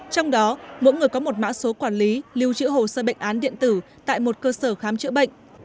trong đó mỗi người có một mã số quản lý lưu trữ hồ sơ bệnh án điện tử tại một cơ sở khám chữa bệnh